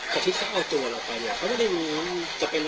แต่ที่เขาเอาตัวเราไป